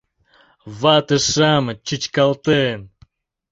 Вате-шамыч, чӱчкалтен